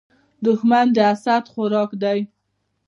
دښمن د حسد خوراک وي